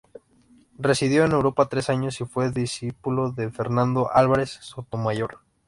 Residió en Europa tres años, y fue discípulo de Fernando Álvarez Sotomayor.